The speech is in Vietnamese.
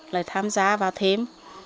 là tham gia vào thêm